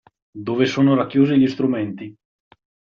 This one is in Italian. Dove sono racchiusi gli strumenti.